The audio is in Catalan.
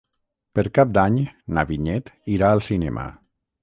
Per Cap d'Any na Vinyet irà al cinema.